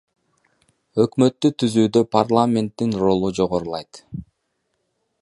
Өкмөттү түзүүдө парламенттин ролу жогорулайт.